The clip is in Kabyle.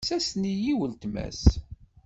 Tessasen-iyi i uletma-s.